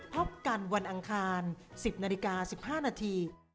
โปรดติดตามตอนต่อไป